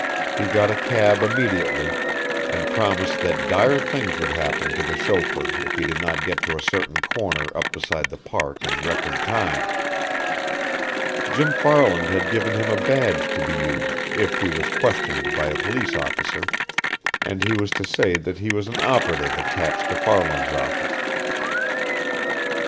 He got a cab immediately, and promised that dire things would happen to the chauffeur if he did not get to a certain corner up beside the Park in record time. Jim Farland had given him a badge to be used if he was questioned by a police officer, and he was to say that he was an operative attached to Farland's office.